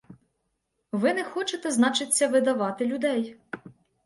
Ви не хочете, значиться, видавати людей.